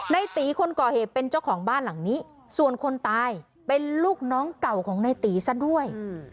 ในตีคนก่อเหตุเป็นเจ้าของบ้านหลังนี้ส่วนคนตายเป็นลูกน้องเก่าของในตีซะด้วย